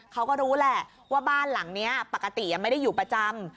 เขาก็รู้แหละว่าบ้านหลังนี้ปกติไม่ได้อยู่ประจำ